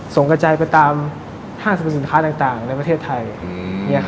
กระจายไปตามห้างสรรพสินค้าต่างในประเทศไทย